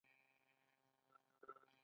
اکبر د فتح پور سیکري ښار جوړ کړ.